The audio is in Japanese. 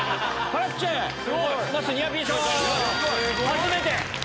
初めて！